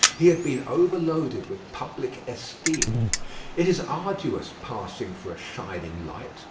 He had been overloaded with public esteem. It is arduous passing for a shining light.